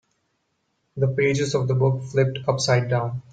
The pages of the book flipped upside down.